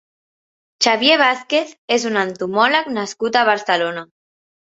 Xavier Vázquez és un entomòleg nascut a Barcelona.